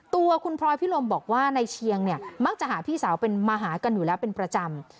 ตัวคุณพลอยพิลมบอกว่านายเชียงเนี่ยมักจะหาพี่สาวเป็นมาหากันอยู่แล้วเป็นประจำ